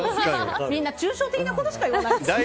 みんな抽象的なことしか言わないですね。